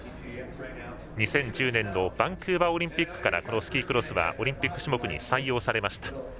２０１０年のバンクーバーオリンピックからこのスキークロスはオリンピック種目に採用されました。